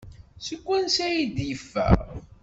Seg wansi ay d-yeffeɣ?